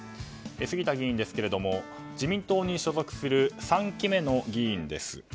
杉田議員、自民党に所属する３期目の議員です。